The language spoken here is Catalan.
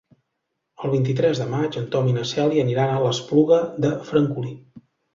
El vint-i-tres de maig en Tom i na Cèlia aniran a l'Espluga de Francolí.